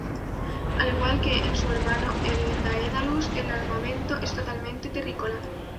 Al igual que en su hermano el Daedalus, el armamento es totalmente terrícola.